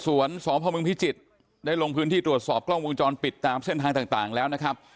สพมพิจิตรได้ลงพื้นที่ตรวจสอบกล้องวงจรปิดตามเส้นทางต่างแล้วนะครับ